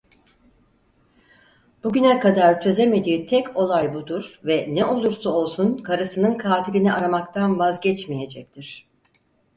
Bugüne kadar çözemediği tek olay budur ve ne olursa olsun karısının katilini aramaktan vazgeçmeyecektir.